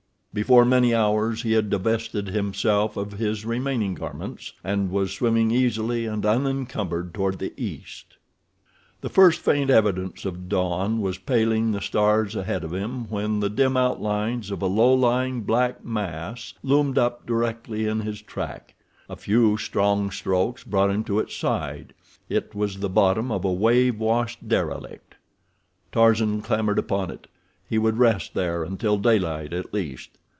Before many hours he had divested himself of his remaining garments, and was swimming easily and unencumbered toward the east. The first faint evidence of dawn was paling the stars ahead of him when the dim outlines of a low lying black mass loomed up directly in his track. A few strong strokes brought him to its side—it was the bottom of a wave washed derelict. Tarzan clambered upon it—he would rest there until daylight at least.